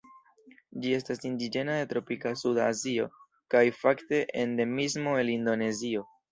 Ĝi estas indiĝena de tropika suda Azio, kaj fakte endemismo el Indonezio.